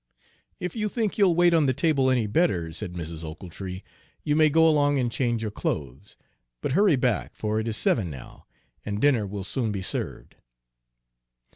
"If you think you'll wait on the table any better," said Mrs. Ochiltree, "you may go along and change your clothes; but hurry back, for it is seven now, and dinner will soon be served."